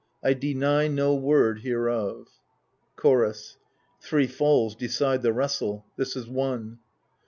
I deny no word hereof. Chorus Three fdls decide the wrestle — this is one.